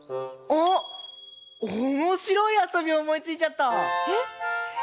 おもしろいあそびおもいついちゃった！え？